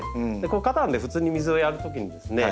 花壇で普通に水をやるときにですね